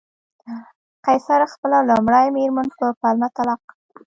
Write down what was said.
قیصر خپله لومړۍ مېرمن په پلمه طلاق کړه